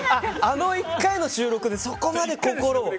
あの１回の収録でそこまで心を。